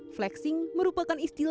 flexing merupakan istilahnya